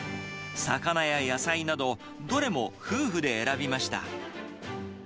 魚や野菜など、どれも夫婦で選びました。